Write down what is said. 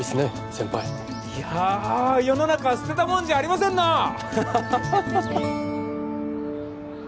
先輩いや世の中捨てたもんじゃありませんなハハハハハハッ！